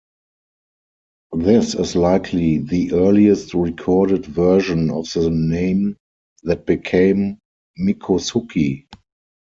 This is likely the earliest recorded version of the name that became Miccosukee.